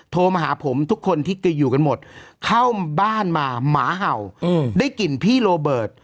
โทรมาหาผมทุกคนที่อยู่กันหมดเข้าบ้านมาหมาเห่าได้กลิ่นพี่โรเบิร์ต